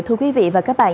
thưa quý vị và các bạn